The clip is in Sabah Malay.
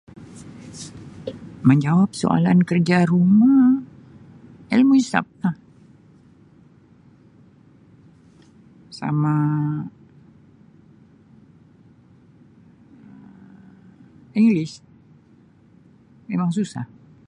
Menjawab soalan kerja rumah ilmu hisab lah sama Um English memang susah.